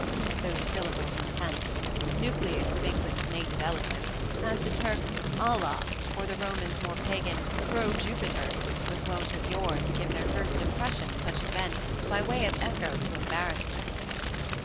those syllables intense, Nucleus of England's native eloquence, As the Turk's "Allah!" or the Roman's more Pagan "Proh Jupiter!" was wont of yore To give their first impressions such a vent, By way of echo to embarrassment.